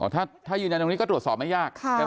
ถ้ายืนอย่างนี้ก็ตรวจสอบไม่ยาก